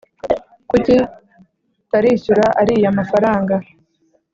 kuki tarishyura ariya mafaranga